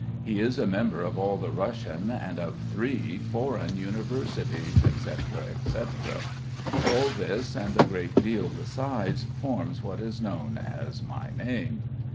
He is a member of all the Russian and of three foreign universities, et cetera, et cetera. All this, and a great deal besides, forms what is known as my name.